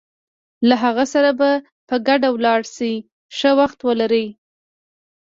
له هغه سره به په ګډه ولاړ شې، ښه وخت ولرئ.